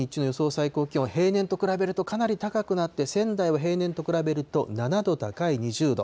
最高気温、平年と比べると、かなり高くなって、仙台は平年と比べると７度高い２０度。